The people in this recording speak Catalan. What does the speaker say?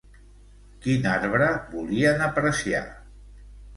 Quin arbre volien apreciar?